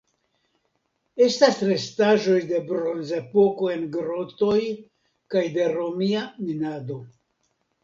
Estas restaĵoj de Bronzepoko en grotoj kaj de romia minado.